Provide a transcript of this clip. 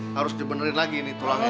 harus dibenerin lagi ini tulangnya